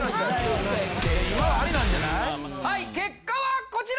はい結果はこちら！